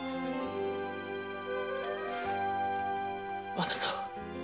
あなたは？